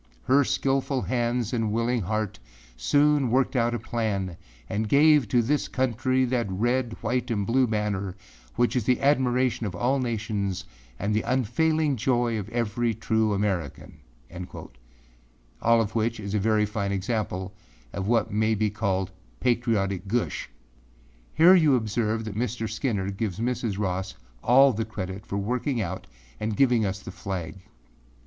Her skillful hands and willing heart soon worked out a plan and gave to this country that red, white and blue banner which is the admiration of all nations and the unfailing joy of every true American.â All of which is a very fine example of what may be called âpatriotic gush.â Here you observe that Mr. Skinner gives Mrs. Ross all the credit for working out and giving us the flag.